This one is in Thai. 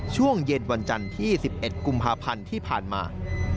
ช่วงเย็นวันจันทร์ที่๑๑กุมภาพันธ์ที่ผ่านมา